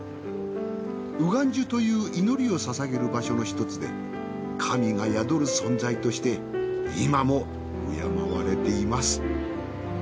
うがんじゅという祈りを捧げる場所のひとつで神が宿る存在として今も敬われています。